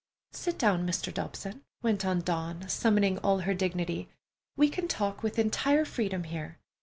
"Sit down, Mr. Dobson," went on Dawn, summoning all her dignity. "We can talk with entire freedom here.